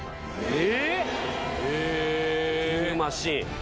え？